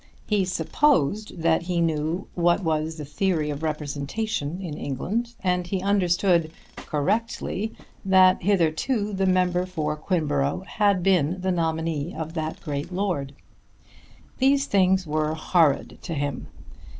He supposed that he knew what was the theory of representation in England, and he understood correctly that hitherto the member for Quinborough had been the nominee of that great lord. These things were horrid to him.